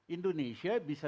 indonesia bisa deficitnya